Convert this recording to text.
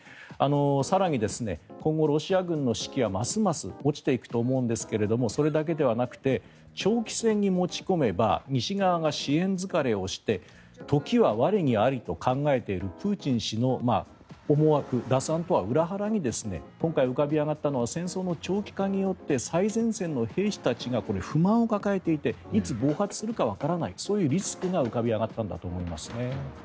更に、今後ロシア軍の士気はますます落ちていくと思うんですがそれだけではなくて長期戦に持ち込めば西側が支援疲れをして時は我にありと考えているプーチン氏の思惑打算とは裏腹に今回、浮かび上がったのは戦争の長期化によって最前線の兵士たちが不満を抱えていていつ暴発するかわからないそういうリスクが浮かび上がったんだと思いますね。